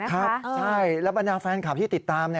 ใช่แล้วบรรยาฟันขาบที่ติดตาม